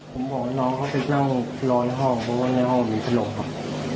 ผมบอกให้น้องเขาไปนั่งรอในห้องเพราะว่าในห้องมีถล่มครับ